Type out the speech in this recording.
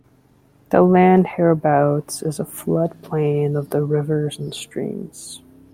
The land hereabouts is a floodplain of the rivers and streams.